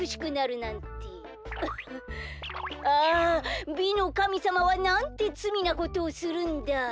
フッあ美のかみさまはなんてつみなことをするんだ。